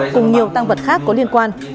cùng nhiều tăng vật khác có liên quan